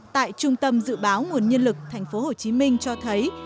tại trung tâm dự báo nguồn nhân lực tp hcm cho thấy